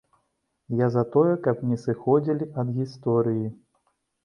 Я за тое, каб не сыходзілі ад гісторыі.